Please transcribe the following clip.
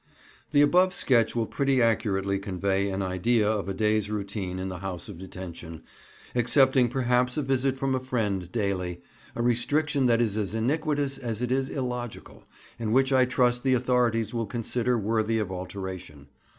The above sketch will pretty accurately convey an idea of a day's routine in the House of Detention, excepting perhaps a visit from a friend daily, a restriction that is as iniquitous as it is illogical, and which I trust the authorities will consider worthy of alteration.